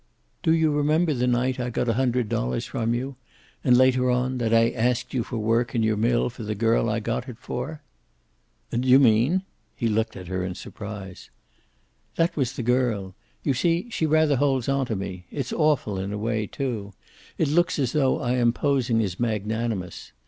"Do you remember the night I got a hundred dollars from you? And later on, that I asked you for work in your mill for the girl I got it for?" "Do you mean?" He looked at her in surprise. "That was the girl. You see, she rather holds onto me. It's awful in a way, too. It looks as though I am posing as magnanimous.